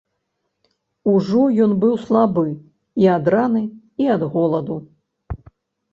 Ужо ён быў слабы і ад раны, і ад голаду.